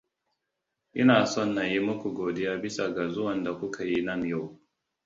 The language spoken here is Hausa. Ina son na yi muku godiya bisa ga zuwan da kuka yi nan yau.